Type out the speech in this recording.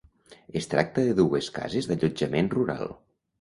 Es tracta de dues cases d'allotjament rural: